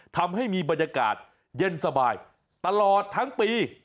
ทำให้มีบรรยากาศเย็นสบายตลอดทั้งปี